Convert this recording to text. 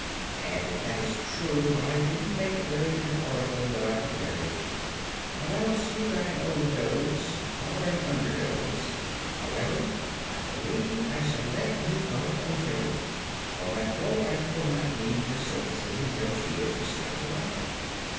"And, if that is true, I didn't make a very good article when I prepared it, or else you got an overdose or an underdose. However, I believe I shall let you go with Ojo, for my poor wife will not need your services until she is restored to life.